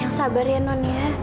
yang sabar ya non ya